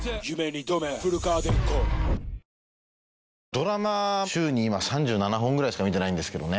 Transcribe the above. ドラマ週に今３７本ぐらいしか見てないんですけどね。